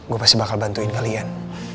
gue pasti bakal bantuin kalian